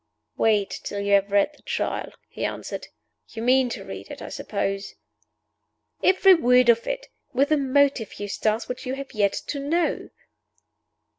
"Wait till you have read the Trial," he answered. "You mean to read it, I suppose?" "Every word of it! With a motive, Eustace, which you have yet to know."